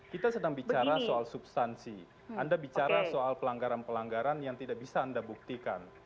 kita sedang bicara soal substansi anda bicara soal pelanggaran pelanggaran yang tidak bisa anda buktikan